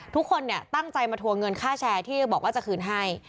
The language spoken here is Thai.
ทุกคนตั้งใจมาทวงเงินค่าแชร์ที่บอกว่าจะคืนให้